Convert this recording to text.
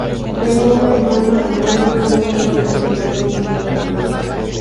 Tenía un hermano, Ramón, que fue un conocido pintor y escenógrafo.